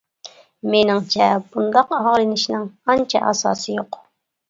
مېنىڭچە بۇنداق ئاغرىنىشنىڭ ئانچە ئاساسى يوق.